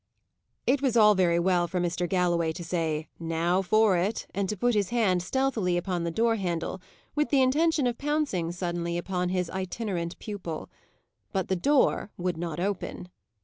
It was all very well for Mr. Galloway to say, "Now for it," and to put his hand stealthily upon the door handle, with the intention of pouncing suddenly upon his itinerant pupil. But the door would not open.